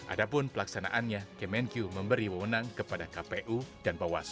adapun pelaksanaannya kemenkyu memberi wunang kepada kpu dan bawas